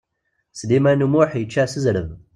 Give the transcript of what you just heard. Sliman U Muḥ yečča s zreb.